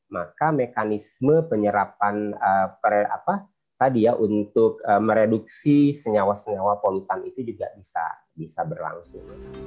maka mekanisme penyerapan tadi ya untuk mereduksi senyawa senyawa polutan itu juga bisa berlangsung